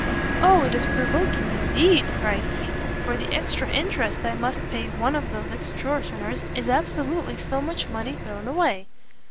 "O, it is provoking indeed," cried he, "for the extra interest I must pay one of those extortioners is absolutely so much money thrown away."